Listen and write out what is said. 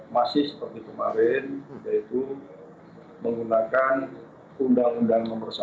masih seperti kemarin yaitu menggunakan undang undang nomor satu